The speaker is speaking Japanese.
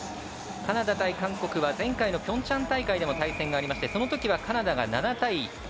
カナダ対韓国は前回のピョンチャン大会でも対戦がありましてそのときはカナダが７対０